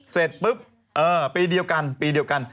เสร็จปุ๊บปีเดียวกัน